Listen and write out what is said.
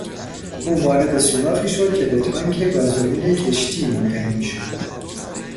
او وارد سوراخی شد که به تانک گازوئیل کشتی منتهی میشد.